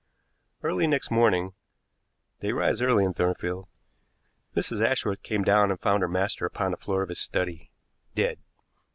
Early next morning they rise early in Thornfield Mrs. Ashworth came down and found her master upon the floor of his study dead.